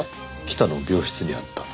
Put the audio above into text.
北の病室にあった。